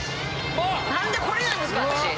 なんでこれなんですか、私。